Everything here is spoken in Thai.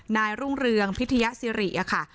นายรุ่งเรืองพิธีเสียซิริอะค่ะ